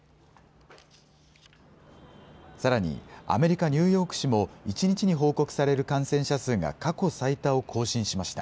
さらに、アメリカ・ニューヨーク市も、１日に報告される感染者数が過去最多を更新しました。